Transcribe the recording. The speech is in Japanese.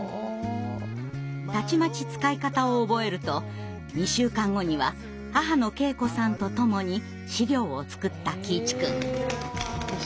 たちまち使い方を覚えると２週間後には母の恵子さんとともに資料を作った喜一くん。